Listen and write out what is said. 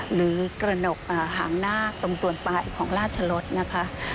หรือกระหนกหางนาคตรงส่วนปลายของราชรสนะคะ